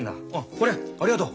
これありがとう。